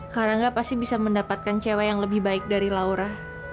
karena gak pasti bisa mendapatkan cewek yang lebih baik dari laura